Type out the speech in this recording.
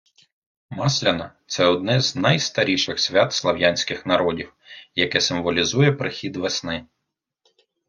Масляна – це одне з найстаріших свят слов'янських народів, яке символізує прихід весни.